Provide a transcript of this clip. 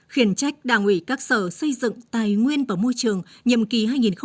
khiển trách đảng ủy các sở xây dựng tài nguyên và môi trường nhiệm kỳ hai nghìn một mươi năm hai nghìn hai mươi